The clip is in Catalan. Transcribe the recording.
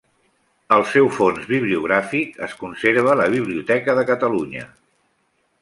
El seu fons bibliogràfic es conserva a la Biblioteca de Catalunya.